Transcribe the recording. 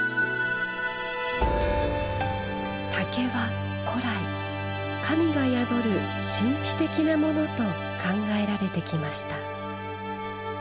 竹は古来神が宿る神秘的なものと考えられてきました。